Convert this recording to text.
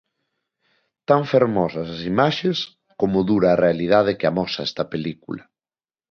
Tan fermosas as imaxes como dura a realidade que amosa esta película.